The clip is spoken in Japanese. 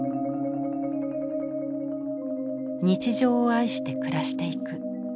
日常を愛して暮らしていく。